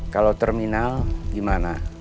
kalau terminal gimana